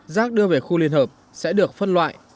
rác đưa về khu liên hợp sẽ được phân loại